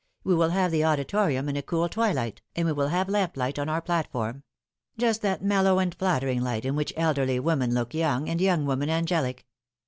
We will have the auditorium in a cool twilight, and we will have lamplight on our platform just that mellow and flattering light in which elderly women look young and young woman angelic."